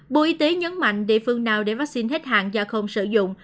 bộ y tế nhấn mạnh địa phương nào để vaccine hết hàng do không sử dụng